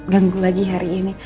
ganggu lagi hari ini